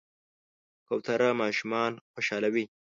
کوتره ماشومان خوشحالوي.